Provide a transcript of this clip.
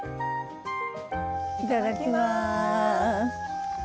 いただきます。